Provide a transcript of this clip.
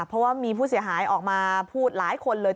เพราะว่ามีผู้เสียหายออกมาพูดหลายคนเลย